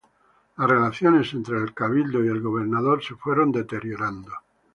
Las relaciones entre el Cabildo y el gobernador se fueron deteriorando.